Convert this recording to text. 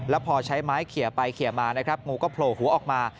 แล้วพอใช้ไม้เขียไปเขียมานะครับงูก็โผล่หัวออกมา